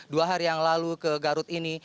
dua hari yang lalu ke garut ini